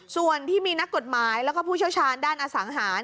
ส่วนที่มีนักกฎหมายแล้วก็ผู้เชี่ยวชาญด้านอสังหาร